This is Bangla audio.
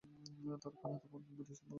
তার খালাতো বোন ডিসেম্বর মাসে মৃত্যুবরণ করে।